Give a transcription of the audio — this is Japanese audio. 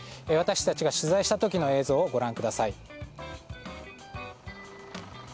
私たちが取材した時の映像をご覧ください。